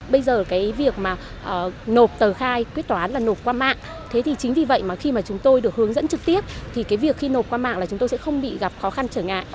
bây giờ cái việc mà nộp tờ khai quyết toán là nộp qua mạng thế thì chính vì vậy mà khi mà chúng tôi được hướng dẫn trực tiếp thì cái việc khi nộp qua mạng là chúng tôi sẽ không bị gặp khó khăn trở ngại